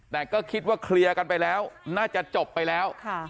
แต่ก็คิดว่าเคลียร์กันไปแล้วน่าจะจบไปแล้ว